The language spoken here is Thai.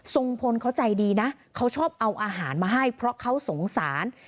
ทรงพลเขาใจดีนะเขาชอบเอาอาหารมาให้เพราะเขาสงสาร